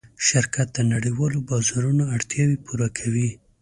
شرکت د نړۍوالو بازارونو اړتیاوې پوره کوي.